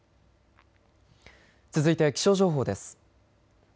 続いて気象情報です。